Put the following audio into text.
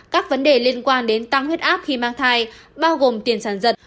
các vấn đề liên quan đến tăng huyết áp khi mang thai bao gồm tiền sản dật